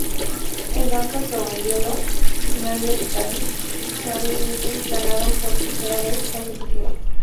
En danza sobre hielo, Meryl Davis y Charlie White ganaron por tercera vez consecutiva.